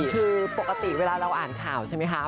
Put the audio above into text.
คือปกติเวลาเราอ่านข่าวใช่ไหมคะ